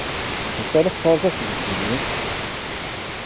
D acu i la tettṛaǧuḍ seg zgelli?